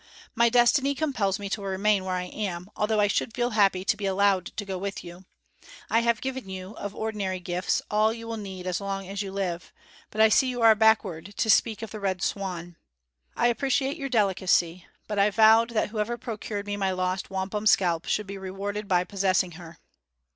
My destiny compels me to remain where I am, although I should feel happy to be allowed to go with you. I have given you, of ordinary gifts, all you will need as long as you live; but I see you are backward to speak of the Red Swan. I appreciate your delicacy, but I vowed that whoever procured me my lost wampum scalp should be rewarded by possessing her."